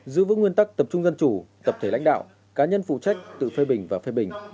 giữ vững nguyên tắc tập trung dân chủ tập thể lãnh đạo cá nhân phụ trách tự phê bình và phê bình